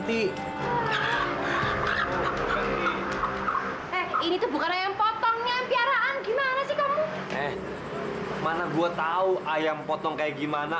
ini tuh bukannya yang potong nyempiaraan gimana sih kamu eh mama gua tahu ayam potong kayak gimana